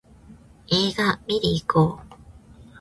映画見にいこう